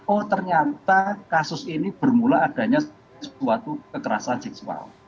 oh ternyata kasus ini bermula adanya sebuah kekerasan seksual